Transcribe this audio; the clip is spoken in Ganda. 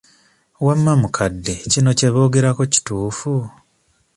Wamma mukadde kino kye boogerako kituufu?